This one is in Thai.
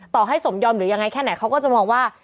ต่อให้สมยอมหรือยังไงแค่ไหนเขาก็จะมองว่า